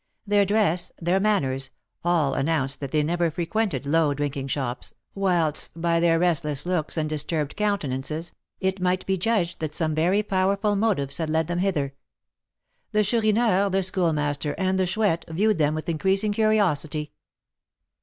Their dress, their manners, all announced that they never frequented low drinking shops, whilst, by their restless looks and disturbed countenances, it might be judged that some very powerful motives had led them hither. The Chourineur, the Schoolmaster, and the Chouette viewed them with increasing curiosity.